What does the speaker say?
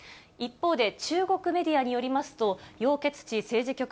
一方で、中国メディアによりますと、楊潔ち政治